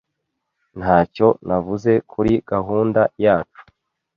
Ntacyo navuze kuri gahunda yacu.